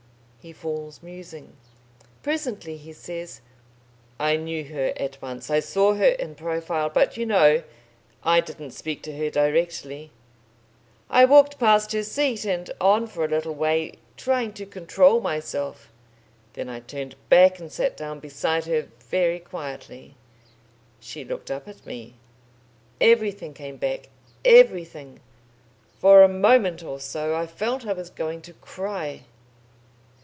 He falls musing. Presently he says: "I knew her at once. I saw her in profile. But, you know, I didn't speak to her directly. I walked past her seat and on for a little way, trying to control myself.... Then I turned back and sat down beside her, very quietly. She looked up at me. Everything came back everything. For a moment or so I felt I was going to cry...."